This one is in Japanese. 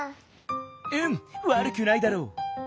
うんわるくないだろう。